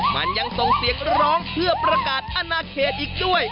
มันยังส่งเสียงร้องเพื่อประกาศอนาเขตอีกด้วย